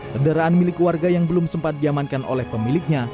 kendaraan milik warga yang belum sempat diamankan oleh pemiliknya